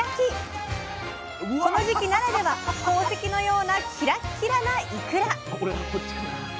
この時期ならでは宝石のようなキラッキラないくら！